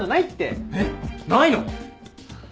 えっ？ないの？ハァ。